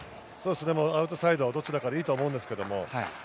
アウトサイドどちらかでいいと思うんですけど。